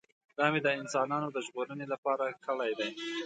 دا مې د انسانانو د ژغورنې لپاره کړی دی.